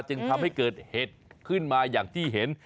จึงทำให้เกิดเหตุขึ้นมาอย่างที่เห็น